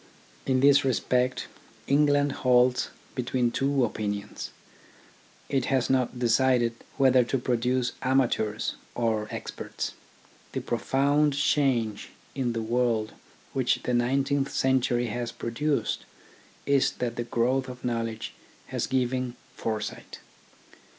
In this respect England halts between two opinions. It has not decided whether to produce amateurs or experts. The profound change in the world which the nineteenth century has produced is that the growth of knowledge has given foresight.